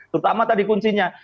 terutama tadi kuncinya